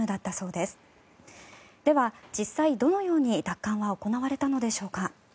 では、実際どのように奪還は行われたのでしょうか。